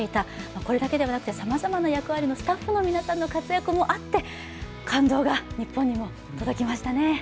これだけではなくてさまざまな役割のスタッフの皆さんの活躍があって感動が日本にも届きましたね。